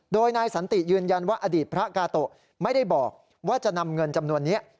โดยนายสันติยืนยันว่าอดีตพระกาโตะไม่ได้บอกว่าจะนำเงินจำนวนนี้